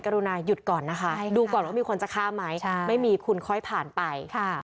รุณาหยุดก่อนนะคะดูก่อนว่ามีคนจะฆ่าไหมไม่มีคุณค่อยผ่านไป